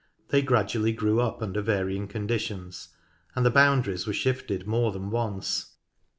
They gradually grew up under varying conditions, and the boundaries were shifted more than once.